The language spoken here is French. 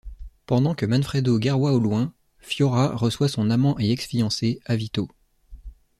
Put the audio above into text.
Pendant que Manfredo guerroie au loin, Fiora reçoit son amant et ex-fiancé, Avito.